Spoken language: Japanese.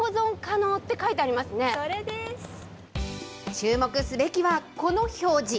注目すべきはこの表示。